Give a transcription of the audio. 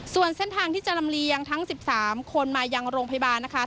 ส่วนเส้นทางที่จะลำเลียงทั้ง๑๓คนมายังโรงพยาบาลนะคะ